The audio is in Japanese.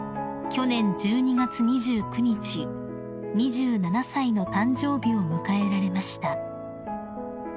去年１２月２９日２７歳の誕生日を迎えられました］